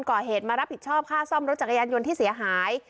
ก่อเหตุมารับผิดชอบค่าซ่อมรถจักรยานยนต์ที่เสียหาย